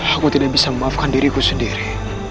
aku tidak bisa memaafkan diriku sendiri